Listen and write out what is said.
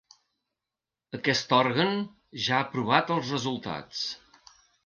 Aquest òrgan ja ha aprovat els resultats.